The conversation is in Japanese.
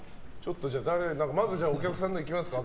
まず、お客さんのいきますか。